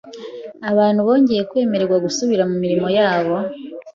abantu bongera kwemererwa gusubira mu mirimo yabo